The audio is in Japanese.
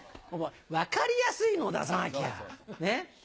分かりやすいの出さなきゃねっ。